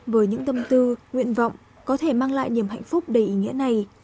với những tâm tư nguyện vọng có thể mang lại niềm hạnh phúc đầy ý nghĩa này